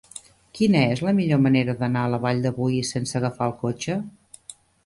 Quina és la millor manera d'anar a la Vall de Boí sense agafar el cotxe?